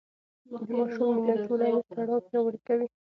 د ماشوم مینه ټولنیز تړاو پیاوړی کوي.